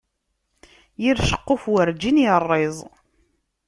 Yir ceqquf werǧin iṛṛiẓ.